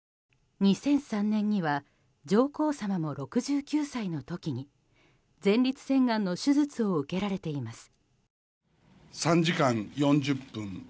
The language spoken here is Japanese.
２００３年には上皇さまも、６９歳の時に前立腺がんの手術を受けられています。